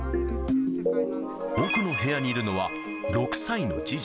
奥の部屋にいるのは、６歳の次女。